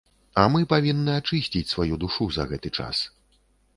А мы павінны ачысціць сваю душу за гэты час.